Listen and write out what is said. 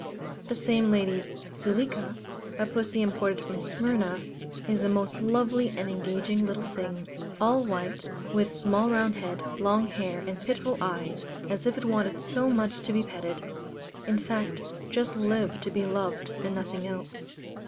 The same lady's "Zuleika," a pussy imported from Smyrna, is a most lovely and engaging little thing all white, with small round head, long hair, and pitiful eyes, as if it wanted so much to be petted in fact just lived to be loved, and nothing else.